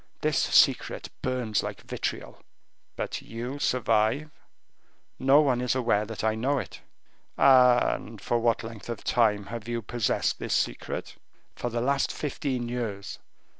This secret burns like vitriol." "But you survive?" "No one is aware that I know it." "And for what length of time have you possessed this secret?" "For the last fifteen years."